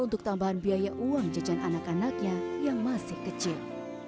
untuk tambahan biaya uang jajan anak anaknya yang masih kecil